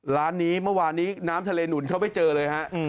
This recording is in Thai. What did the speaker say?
ร้านนี้เมื่อวานนี้น้ำทะเลหนุนเขาไปเจอเลยฮะ